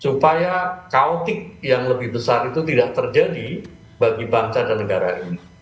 supaya kautik yang lebih besar itu tidak terjadi bagi bangsa dan negara ini